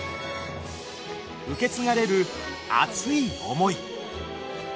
受け継がれる熱い思い。